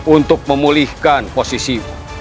untuk memulihkan posisi